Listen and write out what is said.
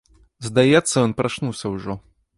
Здаецца, ён прачнуўся ўжо.